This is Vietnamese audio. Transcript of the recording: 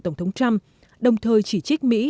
tổng thống trump đồng thời chỉ trích mỹ